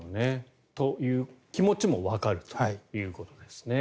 という気持ちもわかるということです。